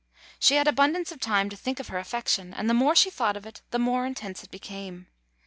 She had abundance of time to think of her affection, and the more she thought of it, the more intense it became.